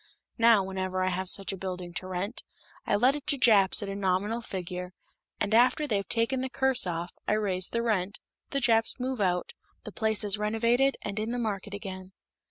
Now, whenever I have such a building to rent, I let it to Japs at a nominal figure, and after they've taken the curse off, I raise the rent, the Japs move out, the place is renovated, and in the market again."